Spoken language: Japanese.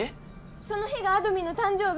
その日があどミンの誕生日！